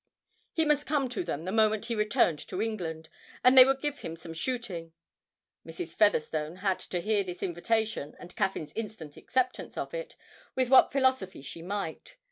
he must come to them the moment he returned to England, and they would give him some shooting. Mrs. Featherstone had to hear this invitation and Caffyn's instant acceptance of it with what philosophy she might.